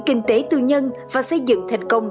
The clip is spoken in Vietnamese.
kinh tế tư nhân và xây dựng thành công